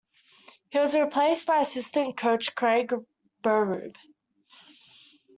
He was replaced by Assistant Coach Craig Berube.